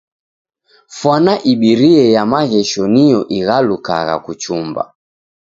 Fwana ibirie ya maghesho niyo ighalukagha kuchumba.